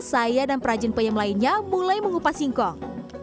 saya dan prajin payam lainnya mulai mengupas singkong